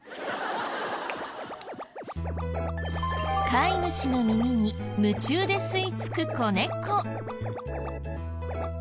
飼い主の耳に夢中で吸い付く子猫。